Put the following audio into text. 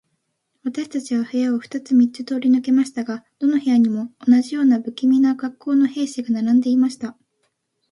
私たちは部屋を二つ三つ通り抜けましたが、どの部屋にも、同じような無気味な恰好の兵士が並んでいました。